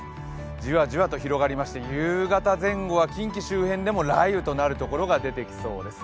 じわじわと広がりまして夕方前後は近畿周辺でも雷雨となるところが出てきそうです。